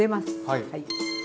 はい。